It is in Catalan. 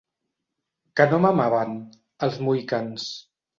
Que no mamaven, els mohicans?